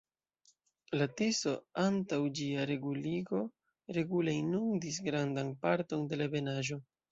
La Tiso antaŭ ĝia reguligo regule inundis grandan parton de la Ebenaĵo.